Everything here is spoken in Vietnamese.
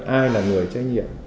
ai là người trách nhiệm